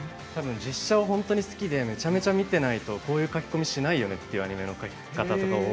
実写を本当に好きでめちゃめちゃ見てないとこういう描きこみしないよねっていうアニメの描き方を。